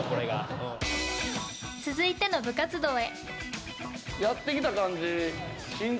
続いての部活動へ。